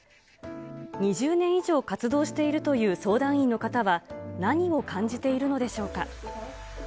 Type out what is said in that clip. ２０年以上活動しているという相談員の方は、何を感じているのでしょうか。